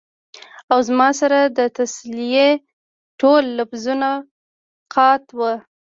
او زما سره د تسلۍ ټول لفظونه قات وو ـ